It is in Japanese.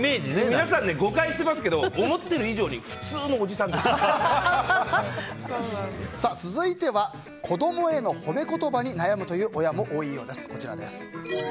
皆さん、誤解してますけど思っている以上に続いては子供への褒め言葉に悩むという親も多いようです。